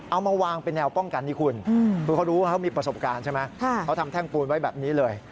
เอามาวางเป็นแนวป้องกันให้คุณ